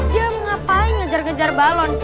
dia mau ngapain ngejar ngejar balon